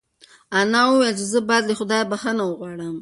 انا وویل چې زه باید له خدایه بښنه وغواړم.